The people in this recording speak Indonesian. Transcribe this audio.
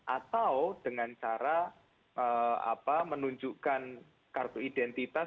atau dengan cara menunjukkan kartu identitas